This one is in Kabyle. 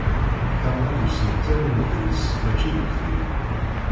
Talɣa d usentel n uḍris mačči d ufrin.